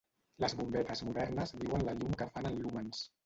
Les bombetes modernes diuen la llum que fan en lúmens.